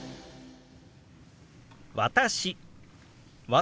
「私」。